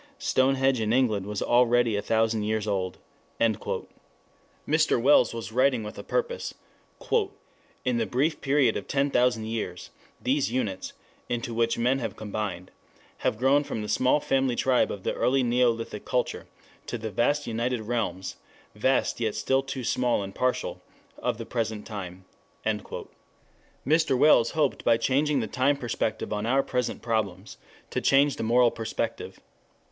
Stonehedge in England was already a thousand years old." Mr. Wells was writing with a purpose. "In the brief period of ten thousand years these units (into which men have combined) have grown from the small family tribe of the early neolithic culture to the vast united realms vast yet still too small and partial of the present time." Mr. Wells hoped by changing the time perspective on our present problems to change the moral perspective.